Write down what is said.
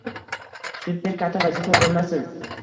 Super katta vazifa bo’lmasin